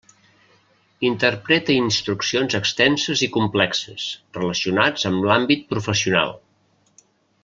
Interpreta instruccions extenses i complexes, relacionats amb l'àmbit professional.